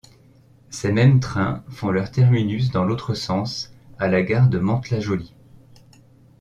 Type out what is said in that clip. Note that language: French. Ces mêmes trains font leur terminus dans l'autre sens à la gare de Mantes-la-Jolie.